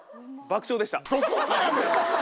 爆笑でした。